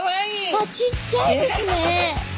あっちっちゃいですね！